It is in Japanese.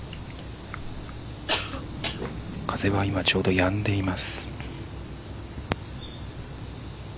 風は今ちょうどやんでいます。